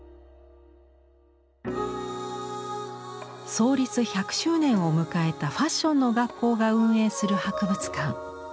創立１００周年を迎えたファッションの学校が運営する博物館。